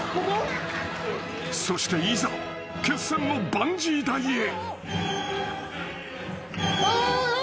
［そしていざ決戦のバンジー台へ］